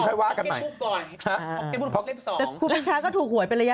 หลังจากนี้อ่ะอ๋อ